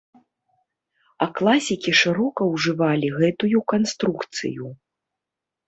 А класікі шырока ўжывалі гэтую канструкцыю.